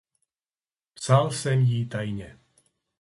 Psal jsem ji tajně.